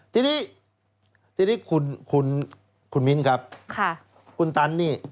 ทีนี้ทีนี้คุณคุณมิ้นครับคุณตันนี่